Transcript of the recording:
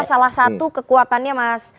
salah satu kekuatannya mas